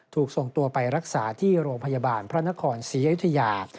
ถูกส่งตัวไปรักษาที่โรงพยาบาลพระนครศรีอยุธยา